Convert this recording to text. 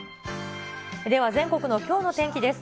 では全国のきょうの天気です。